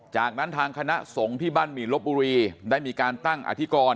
จากนั้นทางคณะสงฆ์ที่บ้านหมี่ลบบุรีได้มีการตั้งอธิกร